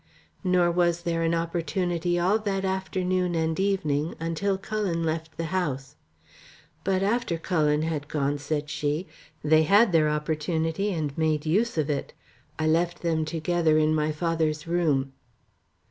"Nor was there an opportunity all that afternoon and evening, until Cullen left the house." "But after Cullen had gone," said she, "they had their opportunity and made use of it. I left them together in my father's room.